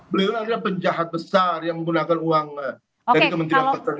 beliau adalah penjahat besar yang menggunakan uang dari kementerian pertahanan